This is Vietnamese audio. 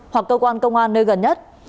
hoặc cơ quan công an nơi gần nhất